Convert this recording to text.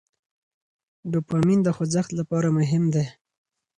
ډوپامین د خوځښت لپاره مهم دی.